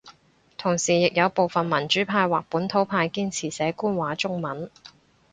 同時亦有部份民主派或本土派堅持寫官話中文